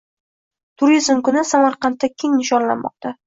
Turizm kuni Samarqandda keng nishonlanmoqda